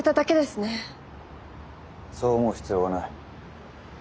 そう思う必要はない。